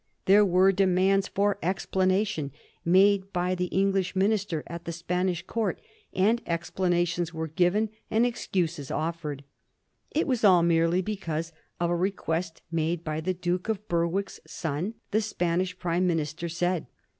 There were demands 80 A HISTORT OF THE FOUR GEORGES. cb.xzii. for explanation made by the English minister at the Span ish Court, and explanations were given and excuses of fered. It was all merely because of a request made by the Duke of Berwick's son, the Spanish prime minister said.